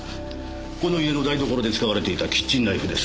この家の台所で使われていたキッチンナイフです。